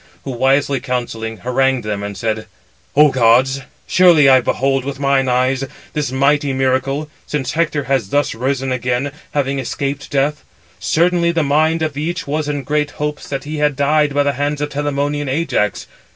Who wisely counselling, harangued them, and said: "O gods, surely I behold with mine eyes this mighty miracle, since Hector has thus risen again, having escaped death. Certainly the mind of each was in great hopes that he had died by the hands of Telamonian Ajax.